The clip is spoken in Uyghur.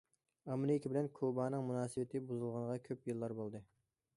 ئامېرىكا بىلەن كۇبانىڭ مۇناسىۋىتى بۇزۇلغىنىغا كۆپ يىللار بولدى.